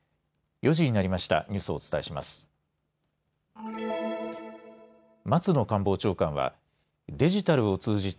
４時になりました。